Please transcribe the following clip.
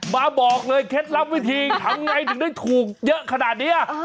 บอกเลยเคล็ดลับวิธีทำไงถึงได้ถูกเยอะขนาดนี้